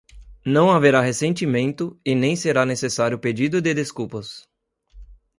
Não haverá ressentimento e nem será necessário pedido de desculpas